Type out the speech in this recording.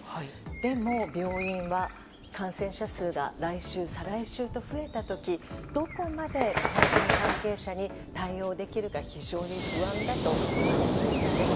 でも、病院は感染者数が来週、再来週と増えた時にどこまで大会関係者に対応できるか非常に不安だと話しているんです。